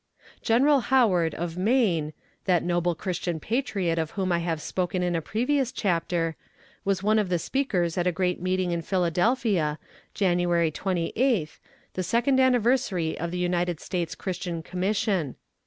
General Howard, of Maine, that noble christian patriot of whom I have spoken in a previous chapter, was one of the speakers at the great meeting in Philadelphia, January twenty eighth, the second anniversary of the United States Christian Commission.